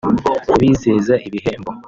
kubizeza ibihembo